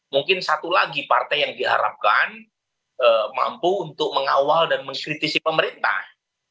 mungkin satu lagi partai yang diharapkan mampu untuk mengawal dan mengkritisi pemerintah